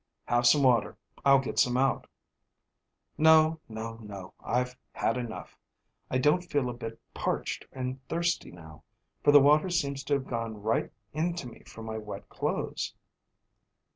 "Have some water. I'll get some out." "No, no, no; I've had enough. I don't feel a bit parched and thirsty now, for the water seems to have gone right into me from my wet clothes."